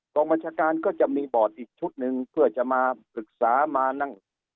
กองบัญชาการก็จะมีบอร์ดอีกชุดหนึ่งเพื่อจะมาปรึกษามานั่ง